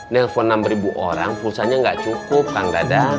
nelfon enam ribu orang pulsa nya gak cukup kan dadang